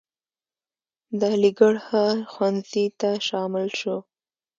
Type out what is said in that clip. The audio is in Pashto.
د علیګړهه ښوونځي ته شامل شو.